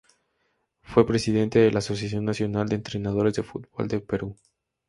Fue presidente de la "Asociación Nacional de Entrenadores de Fútbol del Perú".